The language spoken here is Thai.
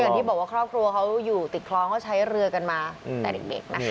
อย่างที่บอกว่าครอบครัวเขาอยู่ติดคลองเขาใช้เรือกันมาแต่เด็กนะคะ